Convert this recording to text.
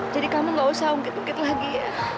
jadi kamu nggak usah ungkit ungkit lagi ya